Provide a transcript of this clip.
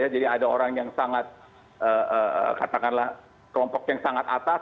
jadi ada orang yang sangat katakanlah kelompok yang sangat atas